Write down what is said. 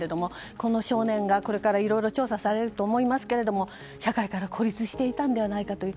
この少年がこれから、いろいろ調査されると思いますが社会から孤立したのではないかという。